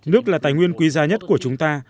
nước là tài nguyên quý giá nhất của chúng ta